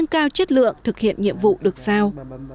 cao chất lượng thực hiện nhiệm vụ được sao